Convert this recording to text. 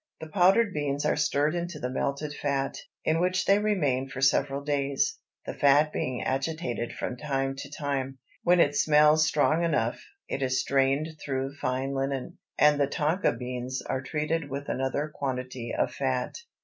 The powdered beans are stirred into the melted fat, in which they remain for several days, the fat being agitated from time to time; when it smells strong enough, it is strained through fine linen, and the tonka beans are treated with another quantity of fat.